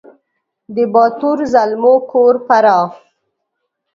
د باتور زلمو کور فراه